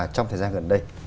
trong thời gian gần đây